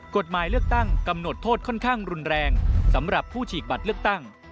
กฎหมายเลือกตั้งกำหนดโทษค่อนข้างรุนแรงสำหรับผู้ฉีกบัตรเลือกตั้ง